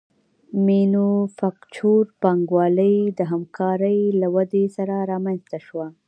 مینوفکچور پانګوالي د همکارۍ له ودې سره رامنځته شوه